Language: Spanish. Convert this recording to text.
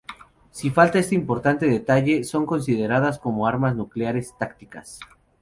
Si falta este importante detalle, son consideradas como armas nucleares tácticas.